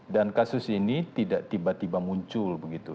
dan kasus ini tidak tiba tiba muncul begitu